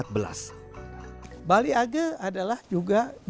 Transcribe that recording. bali age adalah juga desa yang berbeda